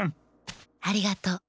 ありがとう。